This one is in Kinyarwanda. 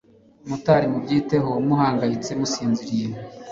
mutari mubyitayeho muhangayitse musinziriye